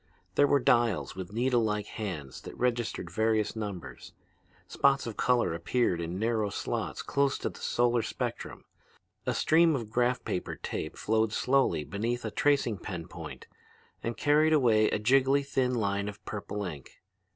There were dials with needlelike hands that registered various numbers; spots of color appeared in narrow slots close to a solar spectrum: a stream of graph paper tape flowed slowly beneath a tracing pen point and carried away a jiggly thin line of purple ink.